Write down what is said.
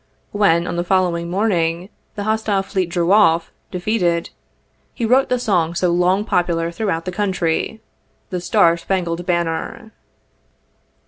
When, on the following morning, the hostile fleet drew off, defeated, he wrote the song so long popular throughout the country, the "Star Spangled Ban ner."